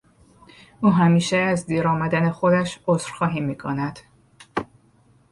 او همیشه از دیر آمدن خودش عذرخواهی میکند.